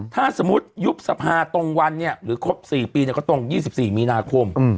ถ้าสมมุติยุบสภาตรงวันเนี่ยหรือครบ๔ปีก็ตรง๒๔มีนาคม